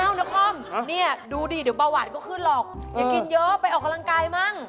นครเนี่ยดูดิเดี๋ยวเบาหวานก็ขึ้นหรอกอย่ากินเยอะไปออกกำลังกายมั่ง